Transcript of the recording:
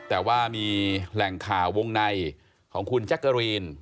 แต่ว่ามีแหล่งข่าววงในของคุณแจ๊กกะรีน